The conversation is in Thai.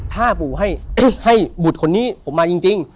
ถ้าปู่ให้บุตรคนนี้ผมมาจริง